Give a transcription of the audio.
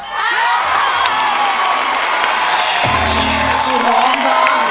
เพลงที่๑มูลค่า๑๐๐๐๐บาท